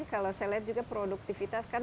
kalau saya lihat juga produktivitas kan